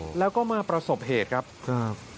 แล้วก็มาประสบเหตุครับครับ